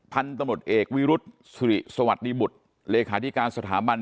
พันธุ์ตมติเอกวิรุษสวัสดีบุษเลขาดิการสถาบัน